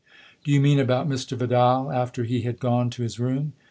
" Do you mean about Mr. Vidal after he had gone to his room